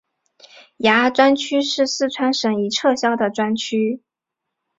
雅安专区是四川省已撤销的专区。